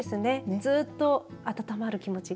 ずっと温まる気持ちが。